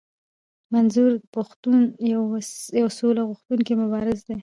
منظور پښتون يو سوله غوښتونکی مبارز دی.